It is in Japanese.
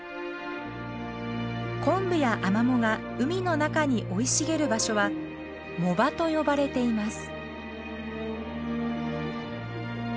コンブやアマモが海の中に生い茂る場所は「藻場」と呼ばれています。